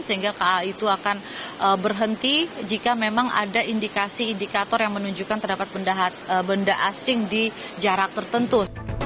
sehingga ka itu akan berhenti jika memang ada indikasi indikator yang menunjukkan terdapat benda asing di jarak tertentu